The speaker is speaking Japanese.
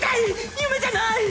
夢じゃない！